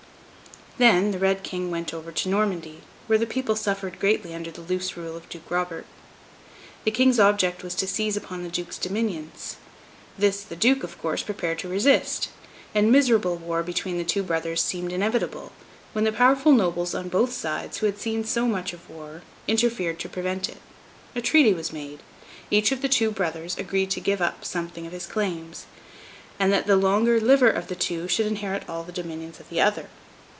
Then, the Red King went over to Normandy, where the people suffered greatly under the loose rule of Duke Robert. The King's object was to seize upon the Duke's dominions. This, the Duke, of course, prepared to resist; and miserable war between the two brothers seemed inevitable, when the powerful nobles on both sides, who had seen so much of war, interfered to prevent it. A treaty was made. Each of the two brothers agreed to give up something of his claims, and that the longer liver of the two should inherit all the dominions of the other.